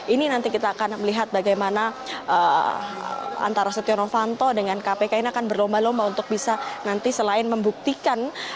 ini nanti kita akan melihat bagaimana antara setia novanto dengan kpk ini akan berlomba lomba untuk bisa nanti selain membuktikan